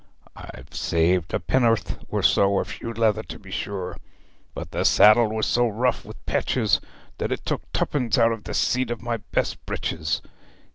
I've saved a penn'orth or so of shoeleather to be sure; but the saddle was so rough wi' patches that 'a took twopence out of the seat of my best breeches.